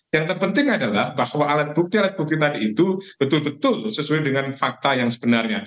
yang terpenting adalah bahwa alat bukti alat bukti tadi itu betul betul sesuai dengan fakta yang sebenarnya